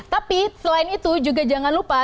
tapi selain itu juga jangan lupa